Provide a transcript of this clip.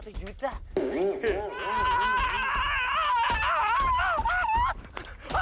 tapi ngemeng ngemeng harga gue seratus juta